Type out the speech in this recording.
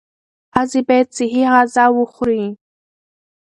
ښځې باید صحي غذا وخوري.